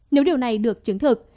nếu điều này được chứng thực